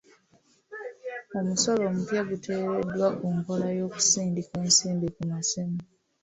Omusolo omupya guteereddwa ku nkola y'okusindika ensimbi ku masimu.